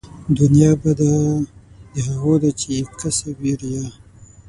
دنيا بده د هغو ده چې يې کسب وي ريا